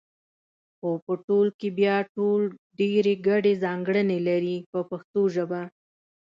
خو په ټول کې بیا ټول ډېرې ګډې ځانګړنې لري په پښتو ژبه.